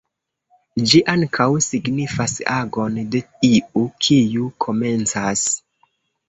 Ĝi ankaŭ signifas agon de iu, kiu komencas.